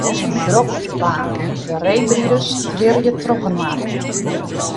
It is drok op 'e baan, de reedriders twirje trochinoar.